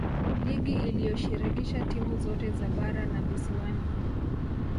ligi iliyoshirikisha timu zote za bara na visiwani